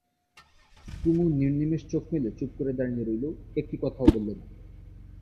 কুমু নির্নিমেষ চোখ মেলে চুপ করে দাঁড়িয়ে রইল, একটি কথাও বললে না।